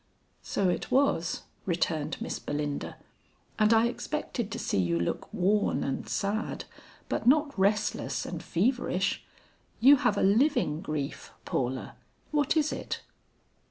"So it was;" returned Miss Belinda, "and I expected to see you look worn and sad but not restless and feverish. You have a living grief, Paula, what is it?"